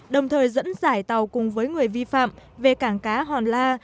đồng thời dẫn giải tàu cùng với người vi phạm về cảng cá hòn la